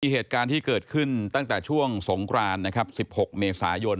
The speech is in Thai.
เหตุการณ์ที่เกิดขึ้นตั้งแต่ช่วงสงกรานนะครับ๑๖เมษายน